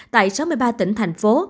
tại sáu mươi ba tỉnh thành phố